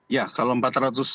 ya kalau empat ratus